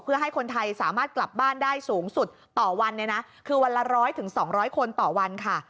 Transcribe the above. เพื่อให้คนไทยสามารถกลับบ้านได้สูงสุดต่อวันเนี่ยนะคือวันละ๑๐๐๒๐๐คนต่อวันค่ะ